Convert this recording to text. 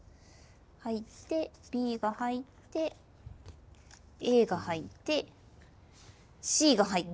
入ってＢが入ってＡが入ってＣが入る。